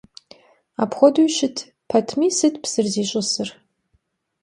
Apxuedeu şıt petmi, sıt psır ziş'ısır?